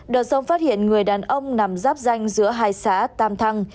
đợt sông phát hiện người đàn ông nằm giáp danh giữa hai xã tam thăng